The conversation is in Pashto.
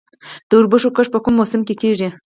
د وربشو کښت په کوم موسم کې کیږي؟